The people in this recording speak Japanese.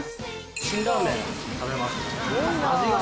辛ラーメン、食べます。